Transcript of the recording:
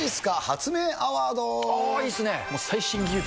いいっすね。